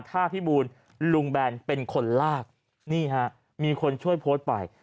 ถ้าพี่บูลลุงแบนเป็นคนลากนี่ฮะมีคนช่วยโพสต์ไป